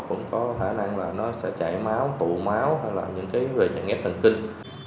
cũng có khả năng là nó sẽ chảy máu tụ máu hay là những cái vệnh nghiệp thần kinh